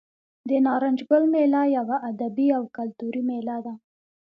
د نارنج ګل میله یوه ادبي او کلتوري میله ده.